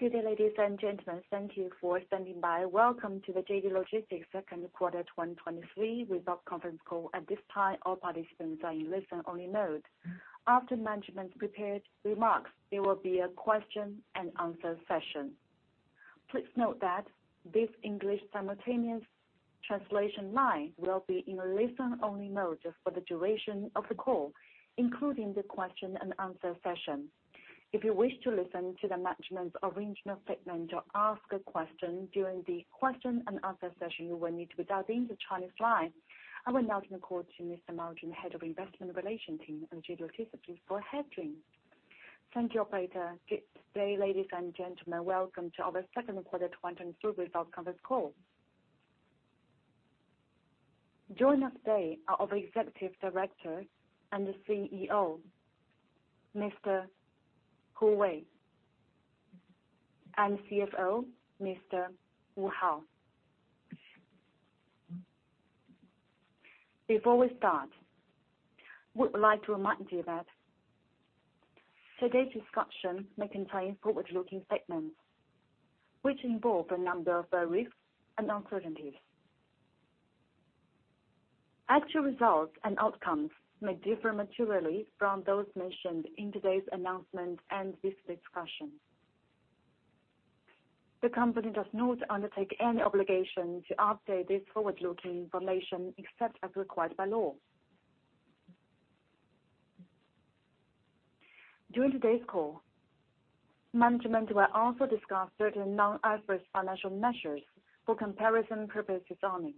Good day, ladies and gentlemen. Thank you for standing by. Welcome to the JD Logistics Second Quarter 2023 Result Conference Call. At this time, all participants are in listen-only mode. After management's prepared remarks, there will be a question-and-answer session. Please note that this English simultaneous translation line will be in a listen-only mode just for the duration of the call, including the question-and-answer session. If you wish to listen to the management's original statement or ask a question during the question-and-answer session, you will need to dial the into Chinese line. I will now turn the call to Mr. Mao Jun, Head of Investor Relations Team at JD Logistics, for opening. Thank you, Operator. Good day, ladies and gentlemen. Welcome to our second quarter 2023 results conference call. Joining us today are our Executive Director and CEO, Mr. Hu Wei, and CFO, Mr. Hao Wu. Before we start, we would like to remind you that today's discussion may contain forward-looking statements, which involve a number of risks and uncertainties. Actual results and outcomes may differ materially from those mentioned in today's announcement and this discussion. The company does not undertake any obligation to update this forward-looking information except as required by law. During today's call, management will also discuss certain non-IFRS financial measures for comparison purposes only.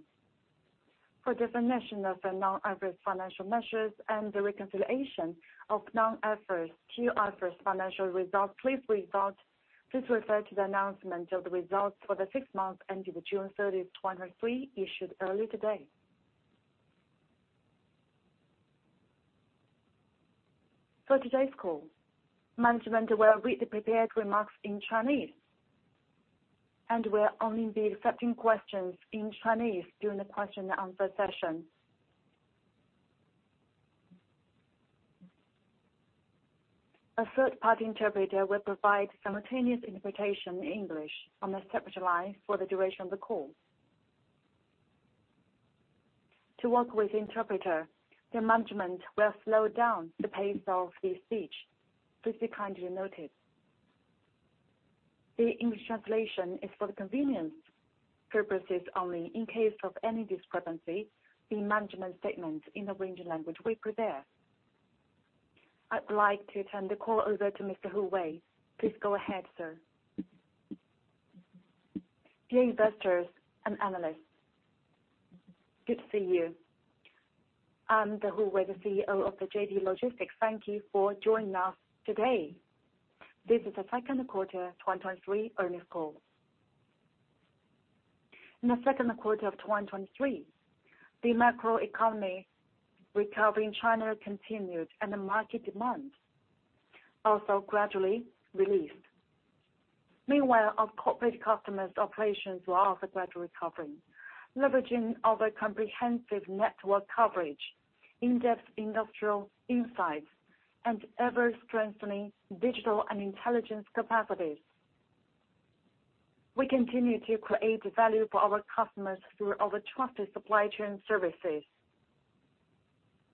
For definition of the non-IFRS financial measures and the reconciliation of non-IFRS to IFRS financial results, please refer to the announcement of the results for the six months ending June 30th, 2023, issued earlier today. For today's call, management will read the prepared remarks in Chinese, and we'll only be accepting questions in Chinese during the question-and-answer session. A third-party interpreter will provide simultaneous interpretation in English on the interpreter line for the duration of the call. To work with the interpreter, the management will slow down the pace of the speech. Please be kindly noted. The English translation is for convenience purposes only. In case of any discrepancy, the management statement in the original language will prevail. I'd like to turn the call over to Mr. Hu Wei. Please go ahead, sir. Dear investors and analysts, good to see you. I'm Hu Wei, the CEO of the JD Logistics. Thank you for joining us today. This is the second quarter 2023 earnings call. In the second quarter of 2023, the macroeconomy recovery in China continued, and the market demand also gradually released. Meanwhile, our corporate customers' operations were also gradually recovering, leveraging our comprehensive network coverage, in-depth industrial insights, and ever-strengthening digital and intelligence capacities. We continue to create value for our customers through our trusted supply chain services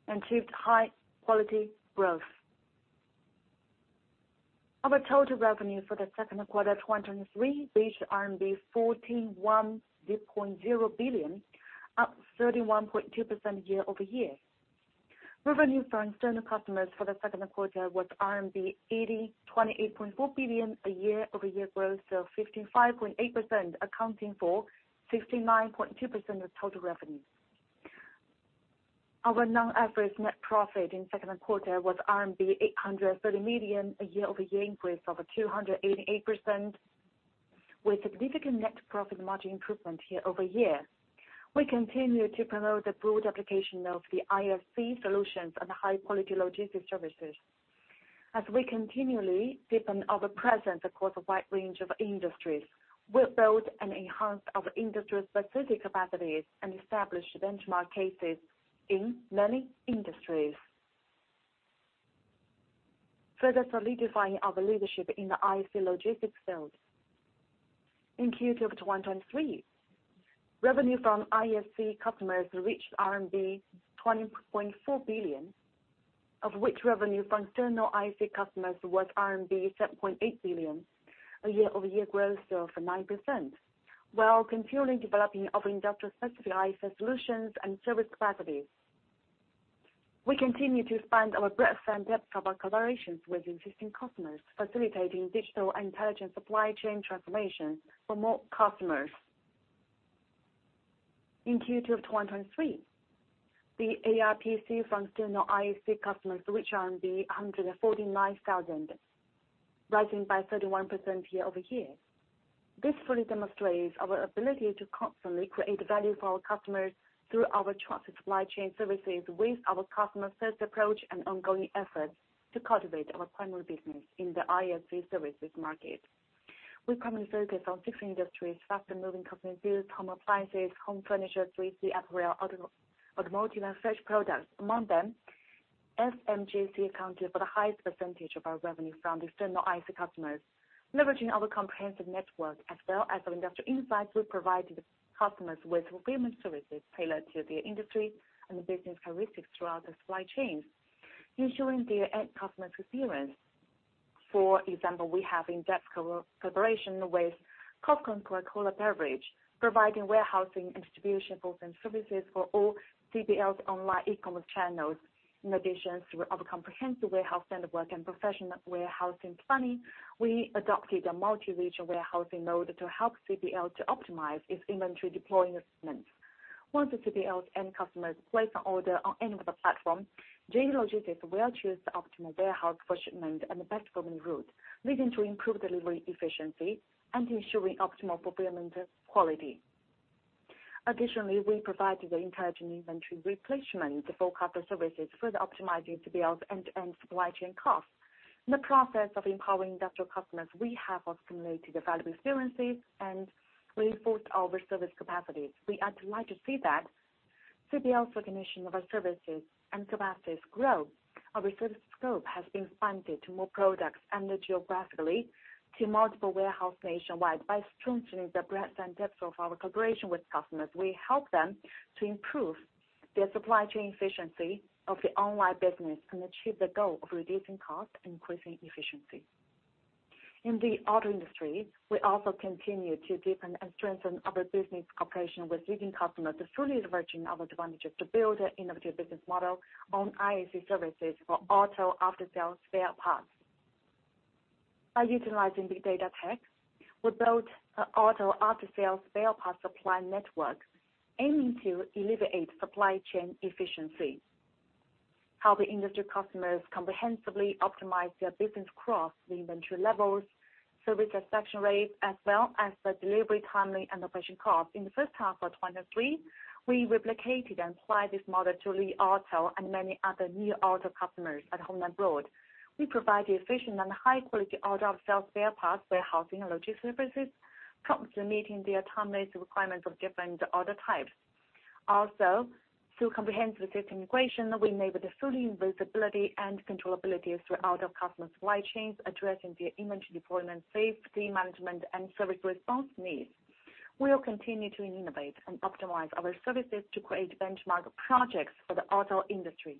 and achieved high-quality growth. Our total revenue for the second quarter 2023 reached RMB 41.0 billion, up 31.2% year-over-year. Revenue from external customers for the second quarter was 28.4 billion, a year-over-year growth of 55.8%, accounting for 69.2% of total revenue. Our non-IFRS net profit in second quarter was RMB 830 million, a year-over-year increase of 288%, with significant net profit margin improvement year-over-year. We continue to promote the broad application of the ISC solutions and high-quality logistics services. As we continually deepen our presence across a wide range of industries, we'll build and enhance our industry-specific capacities and establish benchmark cases in many industries, further solidifying our leadership in the ISC logistics field. In Q2 of 2023, revenue from ISC customers reached RMB 20.4 billion, of which revenue from external ISC customers was RMB 7.8 billion, a year-over-year growth of 9%. While continually developing our industrial-specific ISC solutions and service capacities, we continue to expand our breadth and depth of our collaborations with existing customers, facilitating digital and intelligent supply chain transformation for more customers. In Q2 of 2023, the ARPC from external ISC customers reached RMB 149,000, rising by 31% year-over-year. This fully demonstrates our ability to constantly create value for our customers through our trusted supply chain services with our customer-first approach and ongoing efforts to cultivate our primary business in the ISC services market. We primarily focus on six industries: fast-moving consumer goods, home appliances, home furniture, 3C apparel, automotive, and fresh products. Among them-... FMCG accounted for the highest % of our revenue from external ISC customers. Leveraging our comprehensive network as well as our industrial insights, we provide the customers with fulfillment services tailored to their industry and the business characteristics throughout the supply chain, ensuring their end customer's experience. For example, we have in-depth cooperation with Coca-Cola Beverage, providing warehousing and distribution goods and services for all CPL's online e-commerce channels. In addition to our comprehensive warehouse network and professional warehousing planning, we adopted a multi-regional warehousing mode to help CPL to optimize its inventory deployment. Once the CPL's end customers place an order on any of the platform, JD Logistics will choose the optimal warehouse for shipment and the best performing route, leading to improved delivery efficiency and ensuring optimal fulfillment quality. Additionally, we provide the intelligent inventory replacement to forecast the services, further optimizing CPL's end-to-end supply chain costs. In the process of empowering industrial customers, we have accumulated the value experiences and reinforced our service capacities. We are delighted to see that CPL's recognition of our services and capacities grow. Our service scope has been expanded to more products and geographically to multiple warehouse nationwide. By strengthening the breadth and depth of our collaboration with customers, we help them to improve their supply chain efficiency of the online business and achieve the goal of reducing costs, increasing efficiency. In the auto industry, we also continue to deepen and strengthen our business cooperation with leading customers to fully leveraging our advantages to build an innovative business model on ISC services for auto after-sales spare parts. By utilizing big data tech, we built an auto after-sales spare parts supply network, aiming to elevate supply chain efficiency, help the industry customers comprehensively optimize their business across the inventory levels, service satisfaction rates, as well as the delivery timing and operation costs. In the first half of 2023, we replicated and applied this model to Li Auto and many other new auto customers at home and abroad. We provide the efficient and high-quality auto sales spare parts, warehousing, and logistics services, promptly meeting their timely requirements of different order types. Also, through comprehensive system integration, we enabled the fully visibility and controllability throughout our customer supply chains, addressing their inventory deployment, safety management, and service response needs. We'll continue to innovate and optimize our services to create benchmark projects for the auto industry,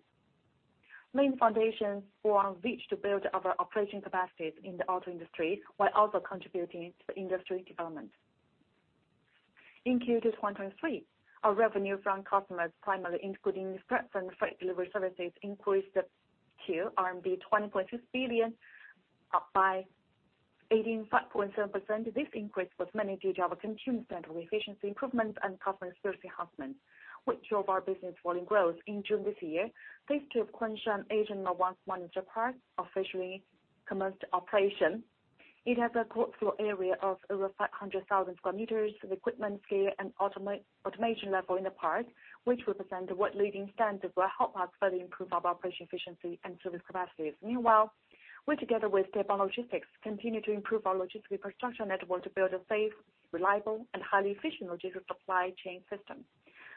laying foundations for our reach to build our operating capacities in the auto industry, while also contributing to the industry development. In Q2 2023, our revenue from customers, primarily including express and freight delivery services, increased up to RMB 20.6 billion, up by 18.7%. This increase was mainly due to our consumer-centric efficiency improvements and customer service enhancements, which drove our business volume growth. In June this year, thanks to Kunshan Asian No. 1 Intelligent Logistics Park officially commenced operation. It has a total floor area of over 500,000 square meters with equipment scale and automation level in the park, which represent the world-leading standard will help us further improve our operation efficiency and service capacities. Meanwhile, we, together with Deppon Logistics, continue to improve our logistics infrastructure network to build a safe, reliable, and highly efficient logistics supply chain system.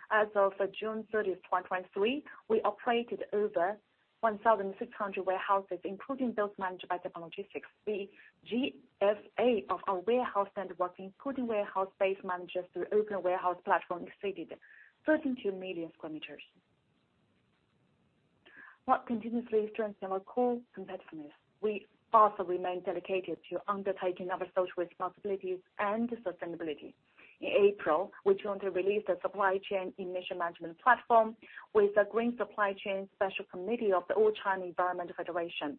As of June 30, 2023, we operated over 1,600 warehouses, including those managed by Deppon Logistics. The GFA of our warehouse network, including warehouse-based managers through open warehouse platform, exceeded 13 million square meters. While continuously strengthening our core competitiveness, we also remain dedicated to undertaking our social responsibilities and sustainability. In April, we jointly released a supply chain emission management platform with the Green Supply Chain Special Committee of the All-China Environment Federation.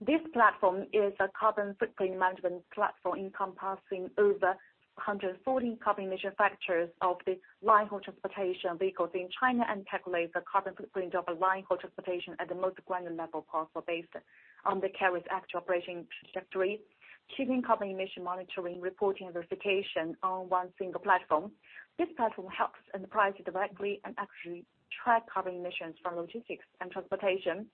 This platform is a carbon footprint management platform encompassing over 140 carbon emission factors of the line haul transportation vehicles in China, and calculate the carbon footprint of a line haul transportation at the most granular level possible based on the carrier's actual operating trajectory, keeping carbon emission monitoring, reporting, and verification on one single platform. This platform helps enterprises directly and accurately track carbon emissions from logistics and transportation,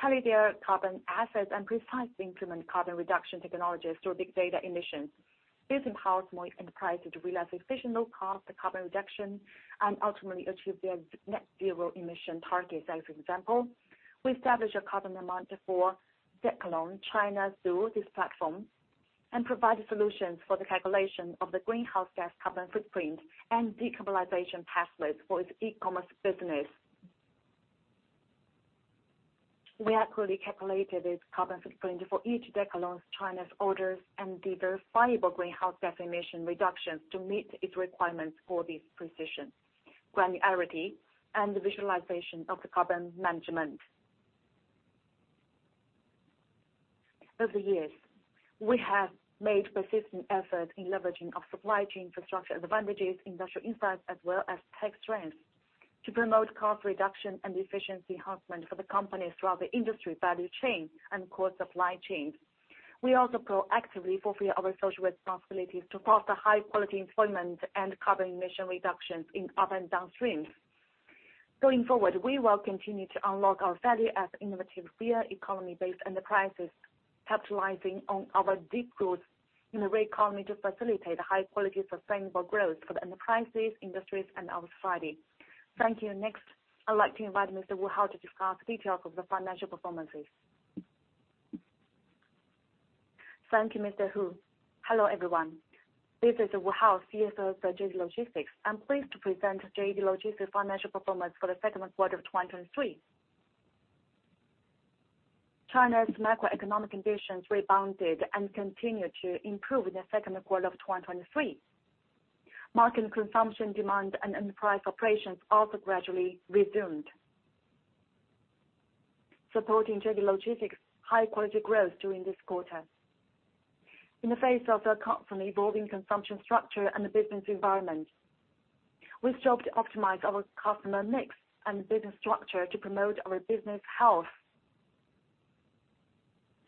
tally their carbon assets, and precisely implement carbon reduction technologies through big data emissions. This empowers more enterprises to realize efficient, low cost carbon reduction, and ultimately achieve their net zero emission targets. As for example, we established a carbon amount for Decathlon China through this platform, and provided solutions for the calculation of the greenhouse gas carbon footprint and decarbonization pathways for its e-commerce business. We accurately calculated its carbon footprint for each Decathlon China's orders and the verifiable greenhouse gas emission reductions to meet its requirements for this precision, granularity, and the visualization of the carbon management. Over the years, we have made persistent effort in leveraging our supply chain infrastructure advantages, industrial insights, as well as tech strengths, to promote cost reduction and efficiency enhancement for the company throughout the industry value chain and core supply chains. We also proactively fulfill our social responsibilities to foster high-quality employment and carbon emission reductions in up and downstreams. Going forward, we will continue to unlock our value as innovative real economy-based enterprises, capitalizing on our deep roots-... in the real economy to facilitate a high quality, sustainable growth for the enterprises, industries, and our society. Thank you. Next, I'd like to invite Mr. Hao Wu to discuss details of the financial performances. Thank you, Mr. Hu Hello, everyone, this is Hao Wu, CFO for JD Logistics. I'm pleased to present JD Logistics financial performance for the second quarter of 2023. China's macroeconomic conditions rebounded and continued to improve in the second quarter of 2023. Market and consumption demand and enterprise operations also gradually resumed, supporting JD Logistics' high-quality growth during this quarter. In the face of a constantly evolving consumption structure and the business environment, we've sought to optimize our customer mix and business structure to promote our business health.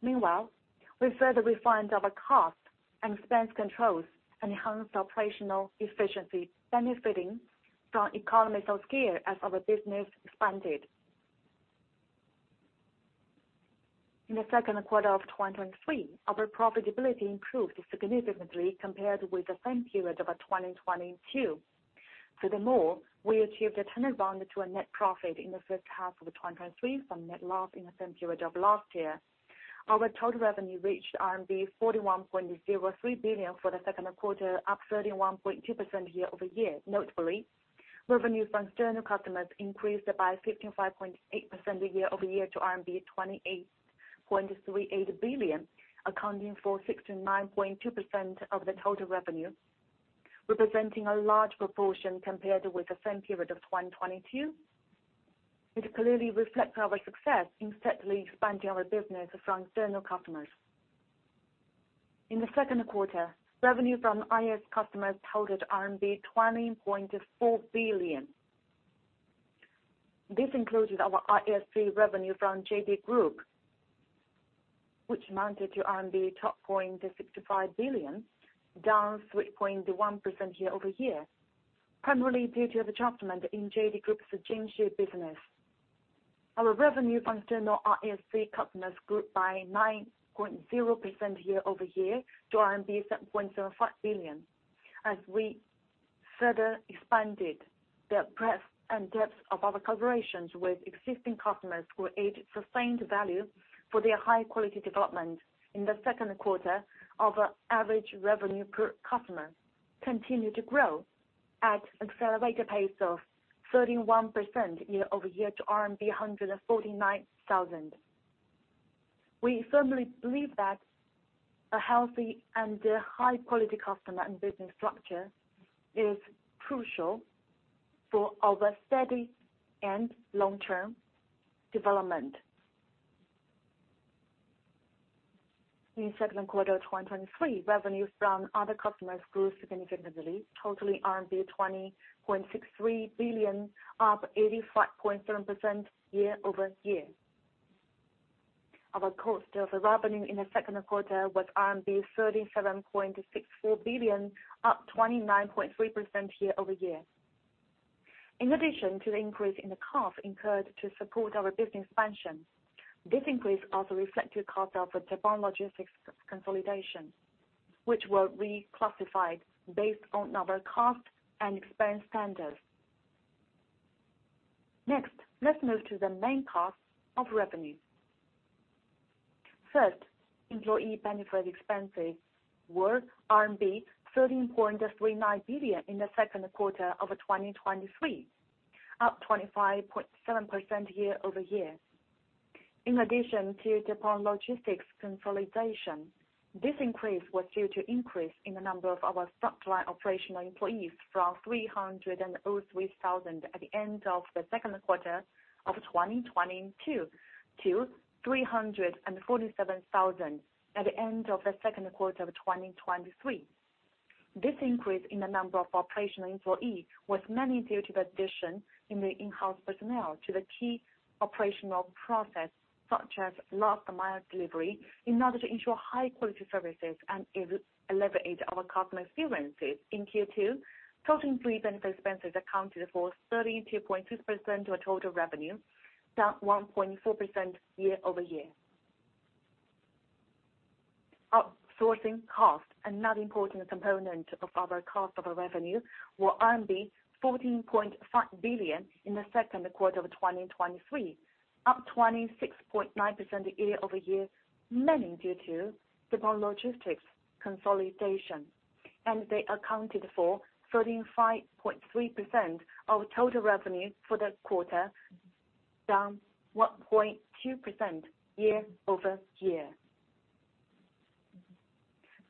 Meanwhile, we further refined our cost and expense controls and enhanced operational efficiency, benefiting from economies of scale as our business expanded. In the second quarter of 2023, our profitability improved significantly compared with the same period of 2022. Furthermore, we achieved a turnaround to a net profit in the first half of 2023, from net loss in the same period of last year. Our total revenue reached RMB 41.03 billion for the second quarter, up 31.2% year-over-year. Notably, revenue from external customers increased by 55.8% year-over-year to RMB 28.38 billion, accounting for 69.2% of the total revenue, representing a large proportion compared with the same period of 2022. It clearly reflects our success in steadily expanding our business from external customers. In the second quarter, revenue from ISC customers totaled RMB 20.4 billion. This included our ISC revenue from JD Group which amounted to 12.65 billion, down 3.1% year-over-year, primarily due to the adjustment in JD Group's Jingxi business. Our revenue from external ISC customers grew by 9.0% year-over-year to RMB 7.05 billion, as we further expanded the breadth and depth of our collaborations with existing customers who aid sustained value for their high-quality development. In the second quarter, our average revenue per customer continued to grow at an accelerated pace of 31% year-over-year to RMB 149,000. We firmly believe that a healthy and a high-quality customer and business structure is crucial for our steady and long-term development. In second quarter of 2023, revenues from other customers grew significantly, totaling RMB 20.63 billion, up 85.7% year-over-year. Our cost of revenue in the second quarter was 37.64 billion, up 29.3% year-over-year. In addition to the increase in the cost incurred to support our business expansion, this increase also reflected costs of the Deppon Logistics consolidation, which were reclassified based on our cost and expense standards. Let's move to the main cost of revenue. First, employee benefit expenses were RMB 13.39 billion in the second quarter of 2023, up 25.7% year-over-year. In addition to Deppon Logistics consolidation, this increase was due to increase in the number of our frontline operational employees from 303,000 at the end of the second quarter of 2022 to 347,000 at the end of the second quarter of 2023. This increase in the number of operational employees was mainly due to the addition in the in-house personnel to the key operational process, such as last mile delivery, in order to ensure high-quality services and elevate our customer experiences. In Q2, total employee benefit expenses accounted for 32.6% of total revenue, down 1.4% year-over-year. Outsourcing costs, another important component of our cost of revenue, were 14.5 billion in the second quarter of 2023, up 26.9% year-over-year, mainly due to Deppon Logistics consolidation, and they accounted for 35.3% of total revenue for the quarter, down 1.2% year-over-year.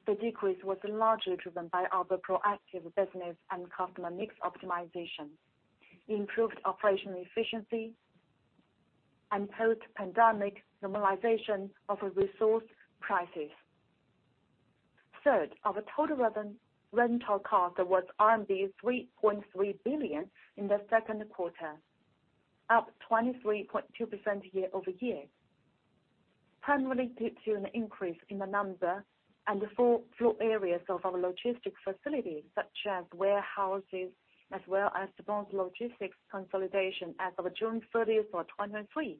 The decrease was largely driven by our proactive business and customer mix optimization, improved operational efficiency, and post-pandemic normalization of resource prices. Third, our total rental cost was RMB 3.3 billion in the second quarter, up 23.2% year-over-year, primarily due to an increase in the number and the floor areas of our logistics facilities, such as warehouses, as well as Deppon Logistics consolidation as of June 30, 2023.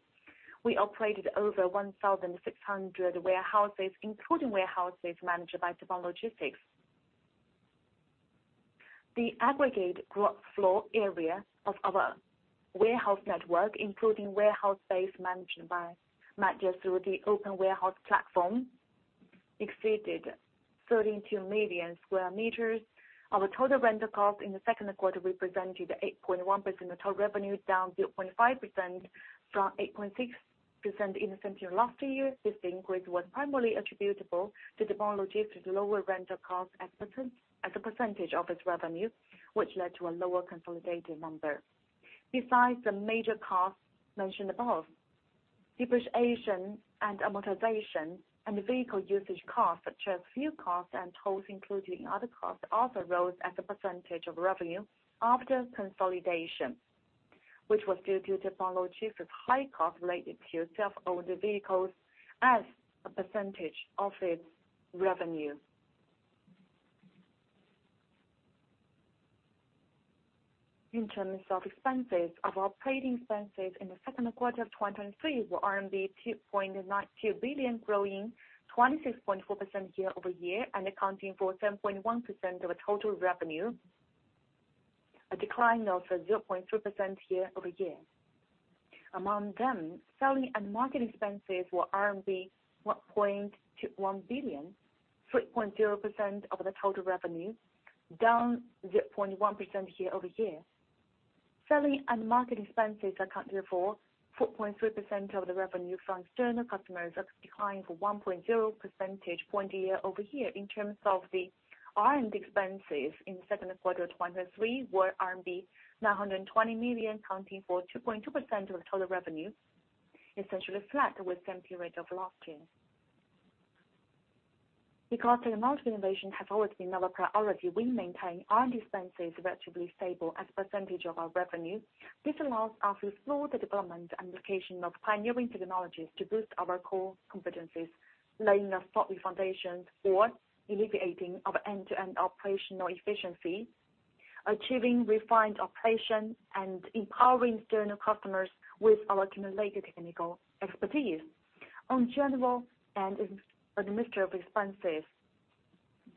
we operated over 1,600 warehouses, including warehouses managed by Deppon Logistics. The aggregate floor area of our warehouse network, including warehouse space managed through the open warehouse platform, exceeded 32 million square meters. Our total rental cost in the second quarter represented 8.1% of total revenue, down 0.5% from 8.6% in the same period last year. This increase was primarily attributable to the Deppon Logistics lower rental cost as a percentage of its revenue, which led to a lower consolidated number. Besides the major costs mentioned above, depreciation and amortization and vehicle usage costs, such as fuel costs and tolls, including other costs, also rose as a percentage of revenue after consolidation, which was due to Deppon Logistics' high costs related to self-owned vehicles as a percentage of its revenue. In terms of expenses, our operating expenses in the second quarter of 2023 were RMB 2.92 billion, growing 26.4% year-over-year, and accounting for 10.1% of total revenue, a decline of 0.3% year-over-year. Among them, selling and marketing expenses were RMB 1.21 billion, 3.0% of the total revenue, down 0.1% year-over-year. Selling and marketing expenses accounted for 4.3% of the revenue from external customers, a decline of 1.0 percentage point year-over-year. In terms of the R&D expenses in the second quarter of 2023 were RMB 920 million, accounting for 2.2% of total revenue, essentially flat with same period of last year. Technological innovation has always been our priority, we maintain R&D expenses relatively stable as a percentage of our revenue. This allows us to explore the development and application of pioneering technologies to boost our core competencies, laying a solid foundation for alleviating our end-to-end operational efficiency, achieving refined operation, and empowering external customers with our accumulated technical expertise. On general and administrative expenses,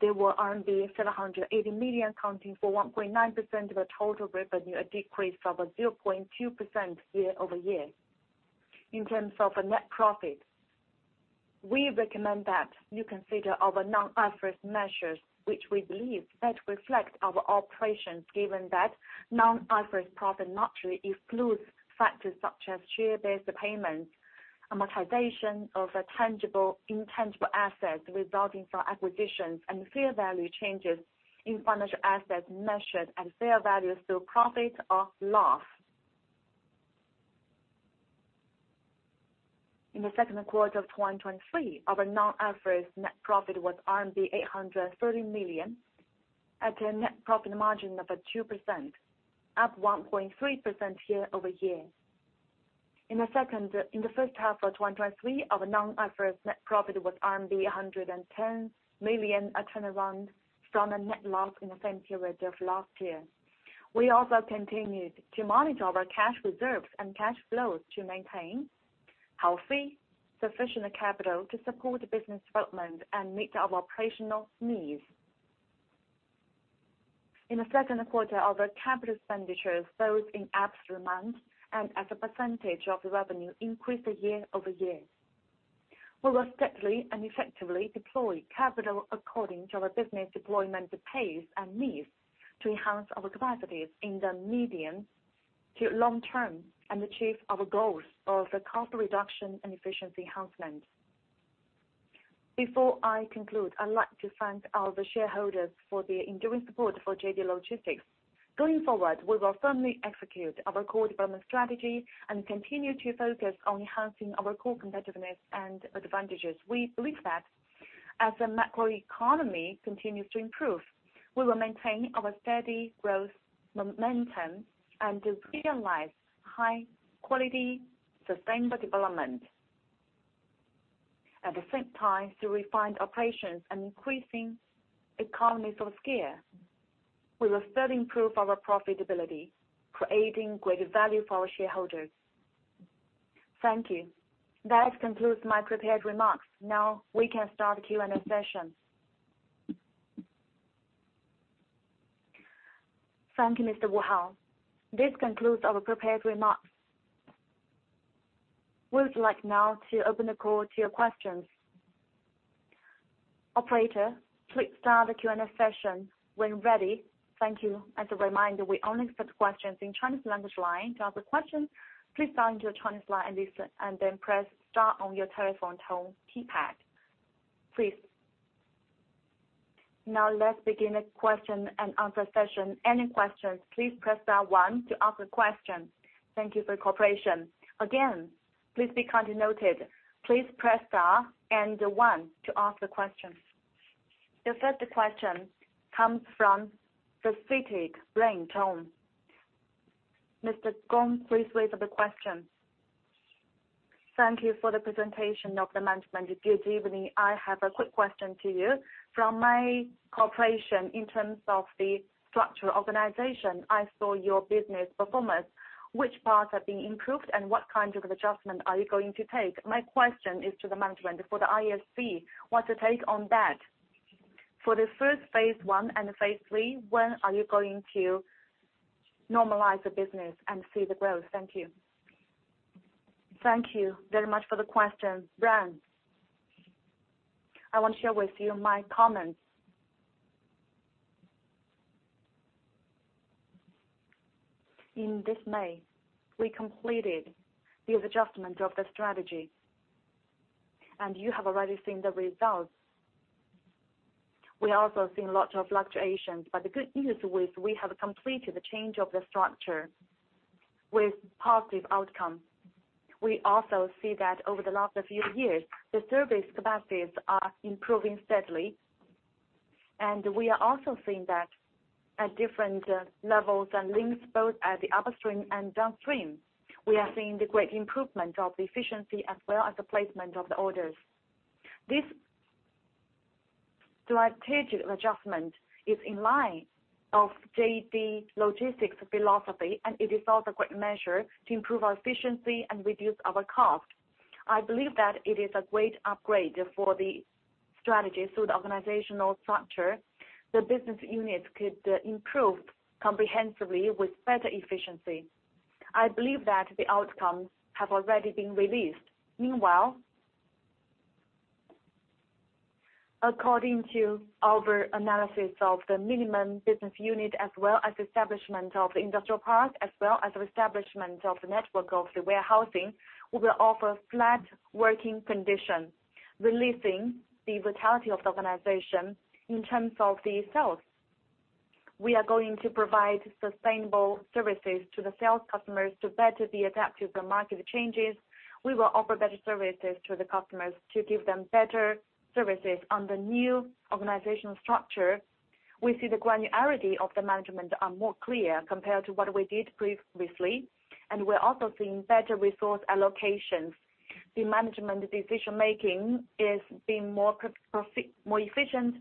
they were RMB 780 million, accounting for 1.9% of the total revenue, a decrease of a 0.2% year-over-year. In terms of net profit, we recommend that you consider our non-IFRS measures, which we believe best reflect our operations, given that non-IFRS profit naturally excludes factors such as share-based payments, amortization of tangible, intangible assets resulting from acquisitions, and fair value changes in financial assets measured at fair value through profit or loss. In Q2 of 2023, our non-IFRS net profit was RMB 830 million, at a net profit margin of 2%, up 1.3% year-over-year. In the second, in the first half of 2023, our non-IFRS net profit was RMB 110 million, a turnaround from a net loss in the same period of last year. We also continued to monitor our cash reserves and cash flows to maintain healthy, sufficient capital to support business development and meet our operational needs. In the second quarter, our capital expenditures, both in absolute amount and as a percentage of revenue, increased year-over-year. We will steadily and effectively deploy capital according to our business deployment pace and needs to enhance our capacities in the medium to long term and achieve our goals of the cost reduction and efficiency enhancement. Before I conclude, I'd like to thank all the shareholders for their enduring support for JD Logistics. Going forward, we will firmly execute our core development strategy and continue to focus on enhancing our core competitiveness and advantages. We believe that as the macroeconomy continues to improve, we will maintain our steady growth momentum and realize high-quality, sustainable development. At the same time, through refined operations and increasing economies of scale, we will further improve our profitability, creating greater value for our shareholders. Thank you. That concludes my prepared remarks. Now we can start the Q&A session. Thank you, Mr. Wu Hao. This concludes our prepared remarks. We would like now to open the call to your questions. Operator, please start the Q&A session when ready. Thank you. As a reminder, we only accept questions in Chinese language line. To ask a question, please dial into the Chinese line and listen, and then press star on your telephone tone keypad, please. Now let's begin the question-and-answer session. Any questions, please press star one to ask a question. Thank you for your cooperation. Again, please be kindly noted, please press star and one to ask the questions. The first question comes from the CITIC Ren Gong. Mr. Gong, please wait for the question. Thank you for the presentation of the management. Good evening. I have a quick question to you. From my cooperation in terms of the structural organization, I saw your business performance. Which parts are being improved, and what kind of adjustment are you going to take? My question is to the management for the ISC, what's your take on that?... For the first 1P and 3P, when are you going to normalize the business and see the growth? Thank you. Thank you very much for the question. Ren, I want to share with you my comments. In this May, we completed the adjustment of the strategy, and you have already seen the results. We also have seen lots of fluctuations. The good news is we have completed the change of the structure with positive outcome. We also see that over the last few years, the service capacities are improving steadily, and we are also seeing that at different levels and links, both at the upstream and downstream, we are seeing the great improvement of the efficiency as well as the placement of the orders. This strategic adjustment is in line of JD Logistics philosophy, and it is also a great measure to improve our efficiency and reduce our cost. I believe that it is a great upgrade for the strategy. The organizational structure, the business units could improve comprehensively with better efficiency. I believe that the outcomes have already been released. Meanwhile, according to our analysis of the minimum business unit, as well as establishment of industrial parks, as well as establishment of the network of the warehousing, we will offer flat working conditions, releasing the vitality of the organization in terms of the sales. We are going to provide sustainable services to the sales customers to better be adaptive to market changes. We will offer better services to the customers to give them better services. On the new organizational structure, we see the granularity of the management are more clear compared to what we did previously, and we're also seeing better resource allocations. The management decision-making is being more efficient.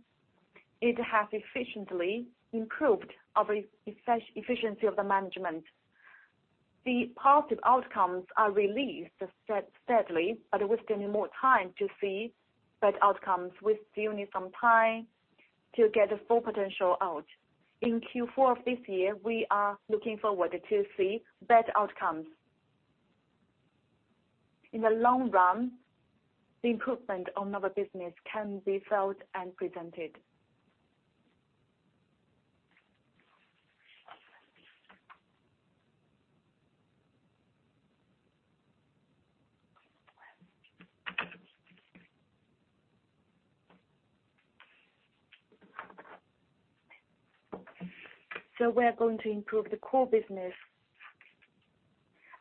It has efficiently improved our efficiency of the management. The positive outcomes are released steadily, but we still need more time to see better outcomes. We still need some time to get the full potential out. In Q4 of this year, we are looking forward to see better outcomes. In the long run, the improvement on our business can be felt and presented. We are going to improve the core business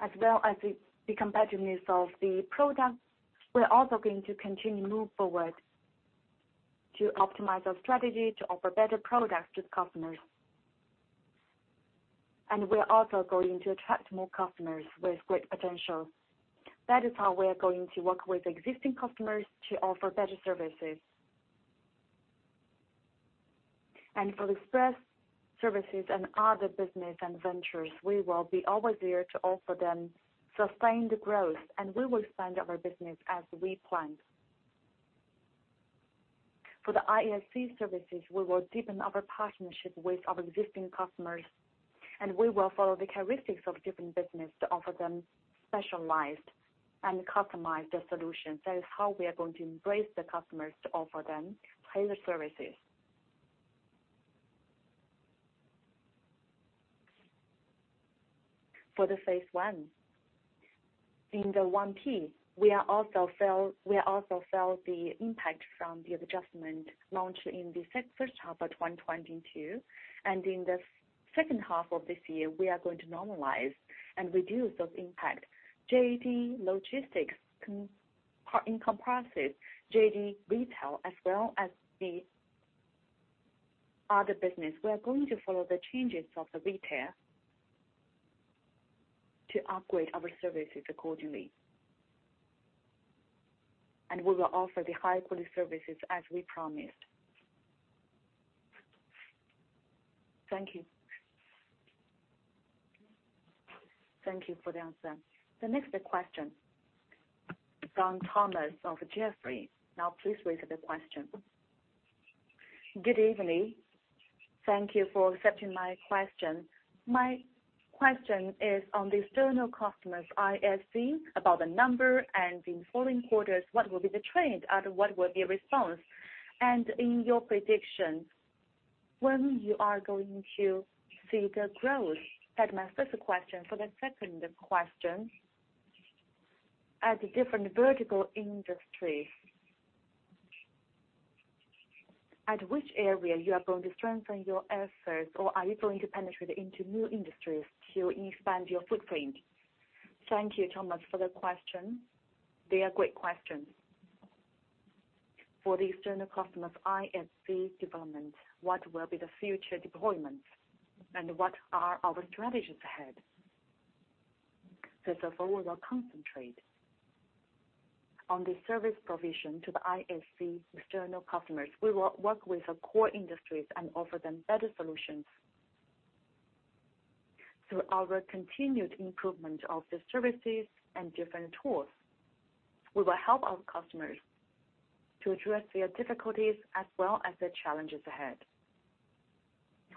as well as the competitiveness of the product. We are also going to continue to move forward to optimize our strategy to offer better products to the customers. We are also going to attract more customers with great potential. That is how we are going to work with existing customers to offer better services. For express services and other business and ventures, we will be always there to offer them sustained growth, and we will expand our business as we planned. For the ISC services, we will deepen our partnership with our existing customers, and we will follow the characteristics of different business to offer them specialized and customized solutions. That is how we are going to embrace the customers to offer them tailored services. For the 1P, in the 1P, we are also felt the impact from the adjustment launched in the first half of 2022, and in the second half of this year, we are going to normalize and reduce those impact. JD Logistics comprises JD Retail, as well as the other business. We are going to follow the changes of the retail to upgrade our services accordingly. We will offer the high-quality services as we promised. Thank you. Thank you for the answer. The next question, from Thomas of Jefferies. Now please raise the question. Good evening. Thank you for accepting my question. My question is on the external customers, ISC, about the number. In following quarters, what will be the trend, and what will be your response? In your predictions, when you are going to see the growth? That's my first question. For the second question, at the different vertical industries, at which area you are going to strengthen your efforts, or are you going to penetrate into new industries to expand your footprint? Thank you, Thomas, for the question. They are great questions. For the external customers, ISC development, what will be the future deployments, and what are our strategies ahead? Therefore, we will concentrate on the service provision to the ISC external customers. We will work with the core industries and offer them better solutions.... Through our continued improvement of the services and different tools, we will help our customers to address their difficulties as well as the challenges ahead.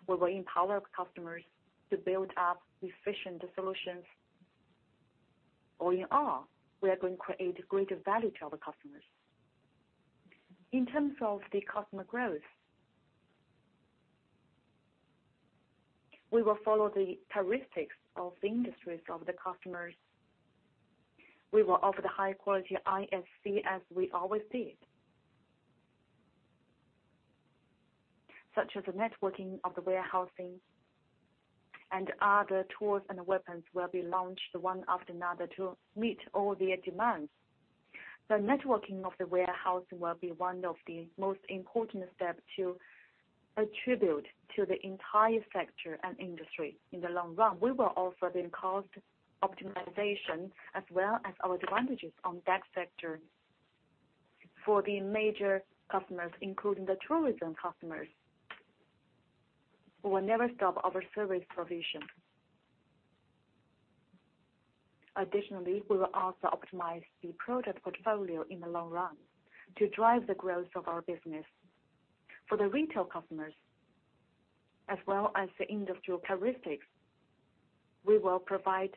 We will empower our customers to build up efficient solutions. All in all, we are going to create greater value to our customers. In terms of the customer growth, we will follow the characteristics of the industries of the customers. We will offer the high quality ISC as we always did, such as the networking of the warehousing and other tools and weapons will be launched one after another to meet all their demands. The networking of the warehousing will be one of the most important step to attribute to the entire sector and industry. In the long run, we will also bring cost optimization as well as our advantages on that sector. For the major customers, including the tourism customers, we will never stop our service provision. Additionally, we will also optimize the product portfolio in the long run to drive the growth of our business. For the retail customers, as well as the industrial characteristics, we will provide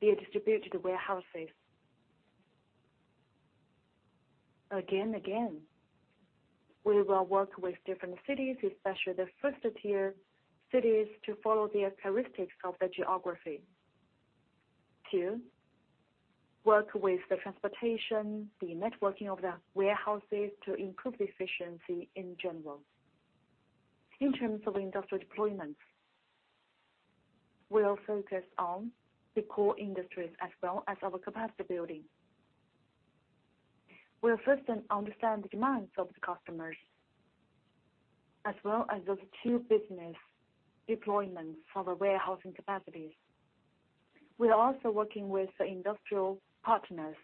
the distributed warehouses. Again, again, we will work with different cities, especially the first-tier cities, to follow the characteristics of the geography, to work with the transportation, the networking of the warehouses to improve efficiency in general. In terms of industrial deployments, we'll focus on the core industries as well as our capacity building. We'll first understand the demands of the customers, as well as those two business deployments for the warehousing capacities. We are also working with the industrial partners.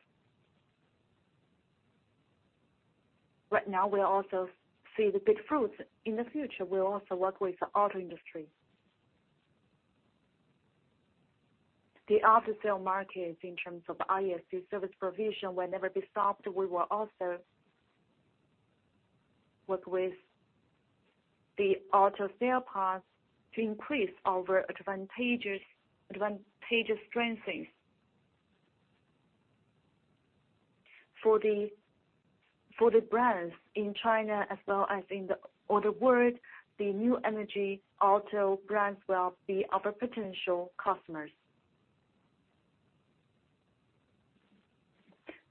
Right now, we also see the big fruits. In the future, we'll also work with the auto industry. The auto sale markets, in terms of ISC service provision, will never be stopped. We will also work with the auto sale parts to increase our advantages, advantageous strengthening. For the brands in China, as well as in the other world, the new energy auto brands will be our potential customers.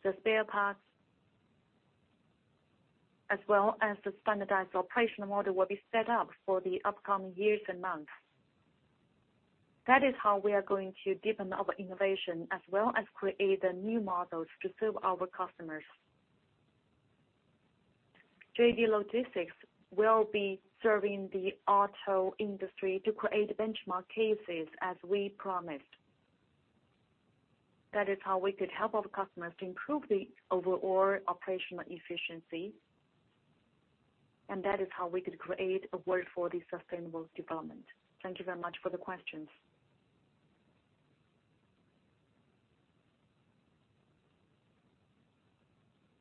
The spare parts, as well as the standardized operational model, will be set up for the upcoming years and months. That is how we are going to deepen our innovation as well as create the new models to serve our customers. JD Logistics will be serving the auto industry to create benchmark cases as we promised. That is how we could help our customers to improve the overall operational efficiency, and that is how we could create a world for the sustainable development. Thank you very much for the questions.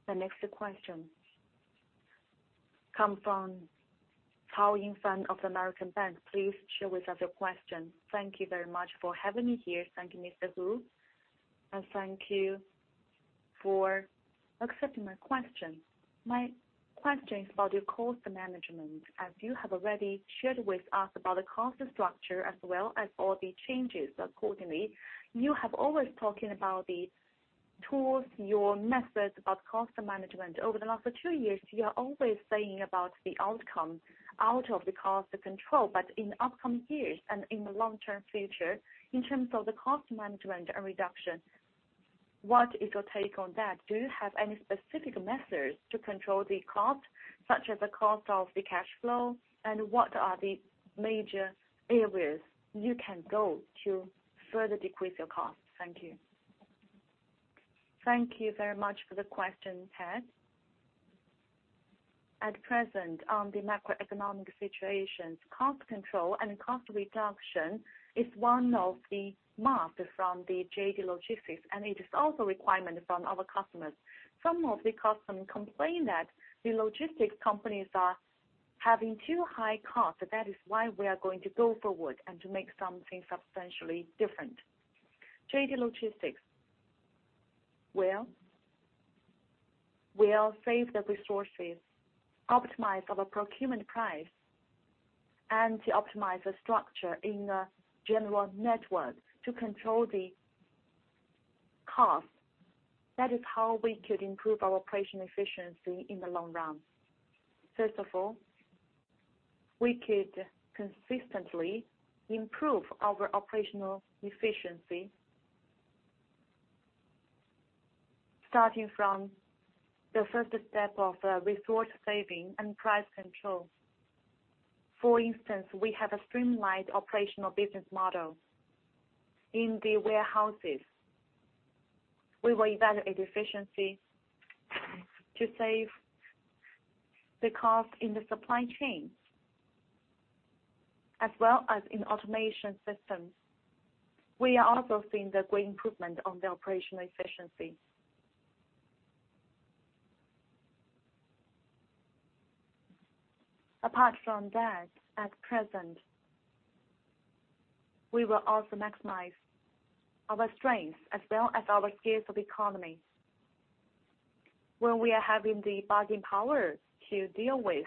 The next question come from Chunying Fan of Bank of America. Please share with us your question. Thank you very much for having me here. Thank you, Mr. Hu, and thank you for accepting my question. My question is about your cost management. As you have already shared with us about the cost structure as well as all the changes accordingly, you have always talking about the tools, your methods of cost management. Over the last two years, you are always saying about the outcome out of the cost of control, but in the upcoming years and in the long-term future, in terms of the cost management and reduction, what is your take on that? Do you have any specific methods to control the cost, such as the cost of the cash flow? What are the major areas you can go to further decrease your cost? Thank you. Thank you very much for the question, Fan. At present, on the macroeconomic situations, cost control and cost reduction is one of the must from JD Logistics, and it is also requirement from our customers. Some of the customers complain that the logistics companies are having too high costs. That is why we are going to go forward and to make something substantially different. JD Logistics will save the resources, optimize our procurement price, and to optimize the structure in a general network to control the cost. That is how we could improve our operational efficiency in the long run. First of all, we could consistently improve our operational efficiency, starting from the first step of resource saving and price control. For instance, we have a streamlined operational business model in the warehouses. We will evaluate efficiency to save the cost in the supply chain, as well as in automation systems. We are also seeing the great improvement on the operational efficiency. Apart from that, at present, we will also maximize our strengths as well as our scales of economy. When we are having the bargaining power to deal with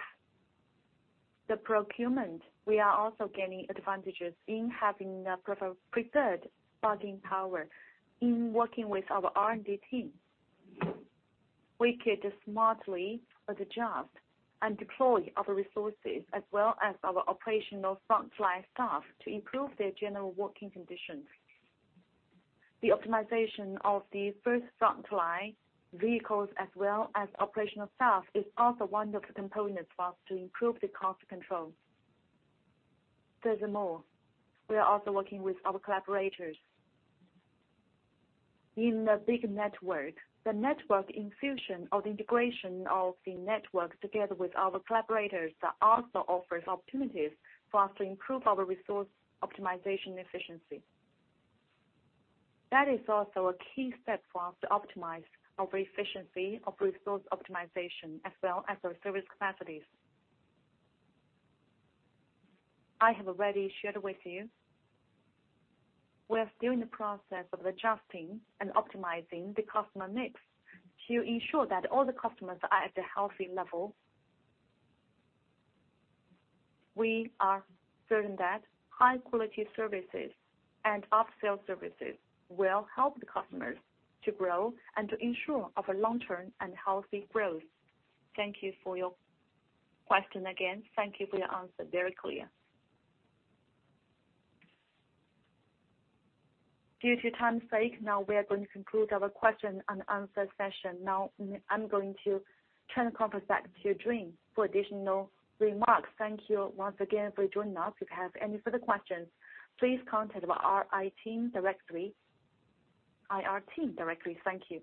the procurement, we are also gaining advantages in having a preferred bargaining power in working with our R&D team. We could smartly adjust and deploy our resources as well as our operational front-line staff to improve their general working conditions. The optimization of the first front-line vehicles as well as operational staff, is also one of the components for us to improve the cost control. Furthermore, we are also working with our collaborators in the big network. The network infusion or the integration of the network together with our collaborators, that also offers opportunities for us to improve our resource optimization efficiency. That is also a key step for us to optimize our efficiency of resource optimization as well as our service capacities. I have already shared with you, we are still in the process of adjusting and optimizing the customer mix to ensure that all the customers are at a healthy level. We are certain that high quality services and up-sale services will help the customers to grow and to ensure of a long-term and healthy growth. Thank you for your question again. Thank you for your answer. Very clear. Due to time's sake, now we are going to conclude our question-and-answer session. Now, I'm going to turn the conference back to Jun for additional remarks. Thank you once again for joining us. If you have any further questions, please contact our IR team directly. Thank you.